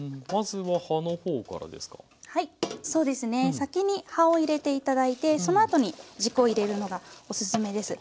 先に葉を入れて頂いてそのあとに軸を入れるのがおすすめです。